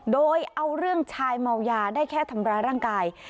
โดยเอาเรื่องชายเมายาได้แค่ทำร้ายร่างกาย